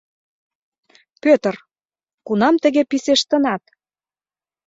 — Пӧтыр, кунам тыге писештынат?